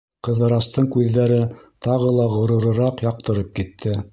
Ҡыҙырастың күҙҙәре тағы ла ғорурыраҡ яҡтырып китте.